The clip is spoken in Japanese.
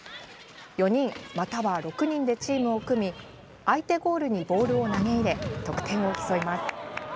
４人、または６人でチームを組み相手ゴールにボールを投げ入れ得点を競います。